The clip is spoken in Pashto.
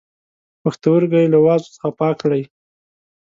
پښتورګی له وازدو څخه پاک کړئ.